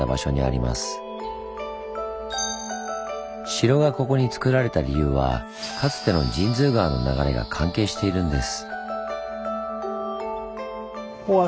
城がここにつくられた理由はかつての神通川の流れが関係しているんです。